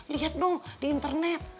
lihat dong di internet